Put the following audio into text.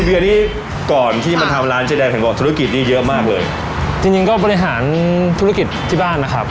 เดือนนี้ก่อนที่มาทำร้านเจ๊แดงเห็นบอกธุรกิจนี้เยอะมากเลยจริงจริงก็บริหารธุรกิจที่บ้านนะครับ